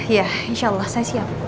ya insya allah saya siap